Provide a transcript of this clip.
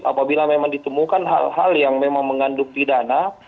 apabila memang ditemukan hal hal yang memang mengandung pidana